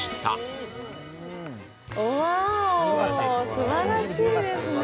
すばらしいですね。